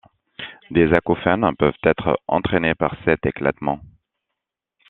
Des acouphènes peuvent être entrainés par cet éclatement.